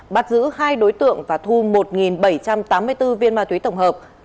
bắt giữ hai đối tượng và thu một bảy trăm tám mươi bốn viên ma túy tổng hợp